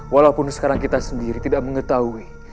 walaupun sekarang kita sendiri tidak mengetahui